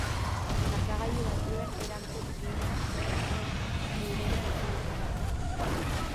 Markagailu baxuen erantzunkina eurena izan zen.